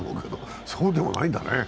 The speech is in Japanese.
そうでもないんだね。